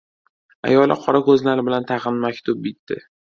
Ayoli qorako‘zlari bilan tag‘in maktub bitdi.